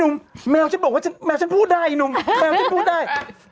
แมวฉันบอกว่าแมวฉันพูดได้หนุ่มแมวฉันพูดได้